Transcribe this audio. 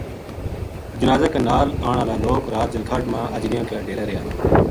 جنازہ کے نال آن ہالا لوک رات جلکھڈ ما اجڑیاں کے ڈیرے رہیا